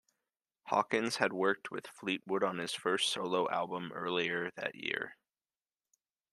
Hawkins had worked with Fleetwood on his first solo album earlier that year.